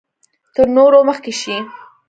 تر نورو مخکې شي.